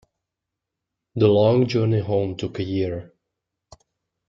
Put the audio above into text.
The long journey home took a year.